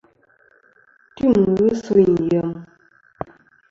Tim ghi sûyn yem.